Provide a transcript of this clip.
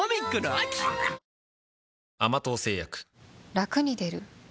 ラクに出る？